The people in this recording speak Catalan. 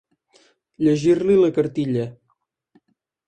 Llegir-li la cartilla.